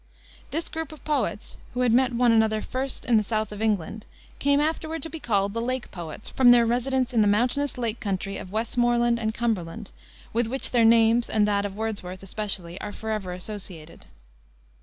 This group of poets, who had met one another first in the south of England, came afterward to be called the Lake Poets, from their residence in the mountainous lake country of Westmoreland and Cumberland, with which their names, and that of Wordsworth, especially, are forever associated.